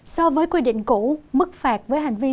so với quy định cũ mức phạt với hành vi